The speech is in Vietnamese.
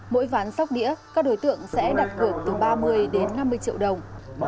mỗi ván sóc đĩa các đối tượng sẽ đặt cược từ ba mươi đến năm mươi triệu đồng